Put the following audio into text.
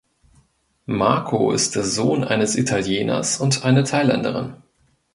Marco ist der Sohn eines Italieners und einer Thailänderin.